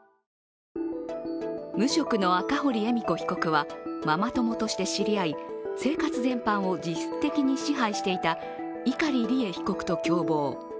無職の赤堀恵美子被告はママ友として知り合い生活全般を実質的に支配していた碇利恵被告と共謀。